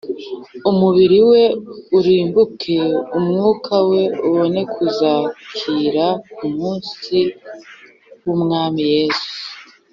umubiri we urimbuke, umwuka we ubone kuzakira ku munsi w'Umwami Yesu